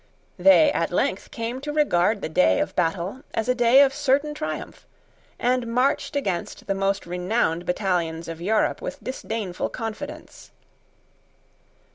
They at length came to regard the day of battle as a day of certain triumph, and marched against the most renowned battalions of Europe with disdainful confidence.